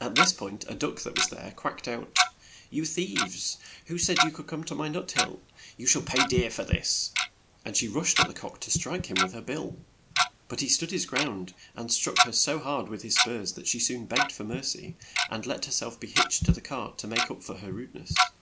At this point a duck that was there quacked out, "You thieves, who said you could come to my nut hill? You shall pay dear for this !'' and she rushed at the cock to strike him with her bill. But he stood his ground, and struck her so hard with his spurs that she soon begged for mer cy, and let her self be hitched to the cart to make up for her rude ness.